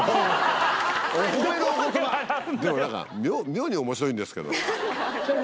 でも何か妙に面白いんですけど。